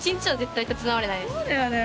そうだよね。